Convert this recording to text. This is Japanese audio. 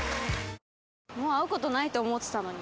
「もう会うことないと思ってたのに」